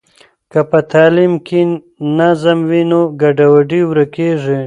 که په تعلیم کې نظم وي نو ګډوډي ورکیږي.